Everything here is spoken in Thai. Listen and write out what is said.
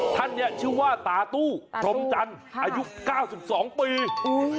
ท่านเนี้ยชื่อว่าตาตู้พรมจันทร์อายุเก้าสิบสองปีอุ้ย